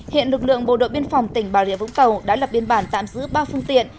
hiện lực lượng bộ đội biên phòng tỉnh bà rịa vũng tàu đã lập biên bản tạm giữ ba phương tiện